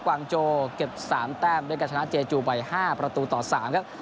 กวางโจเก็บสามแต้มด้วยกับชนะเจจูไปห้าประตูต่อสามครับ